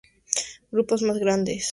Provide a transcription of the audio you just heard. Grupos más grandes han sido propuestos.